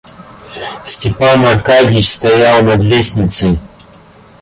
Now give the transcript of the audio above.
Степан Аркадьич стоял над лестницей.